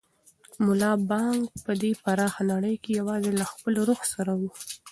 ملا بانګ په دې پراخه نړۍ کې یوازې له خپل روح سره و.